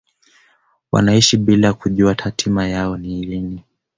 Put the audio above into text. wanaishi bila kujua hatima yao ni lini